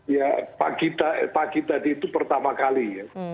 ya pagi tadi itu pertama kali ya